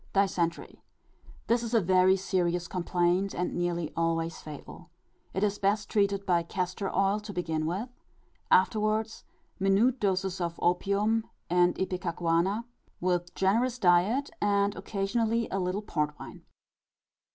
Dysentery. This is a very serious complaint, and nearly always fatal. It is best treated by castor oil to begin with; afterwards, minute doses of opium and ipecacuanha, with generous diet and occasionally a little port wine.